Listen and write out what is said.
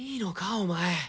お前。